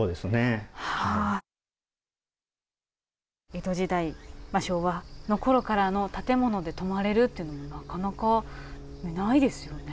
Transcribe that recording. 江戸時代昭和のころからの建物で泊まれるというのはなかなかないですよね。